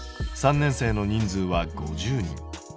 ３年生の人数は５０人。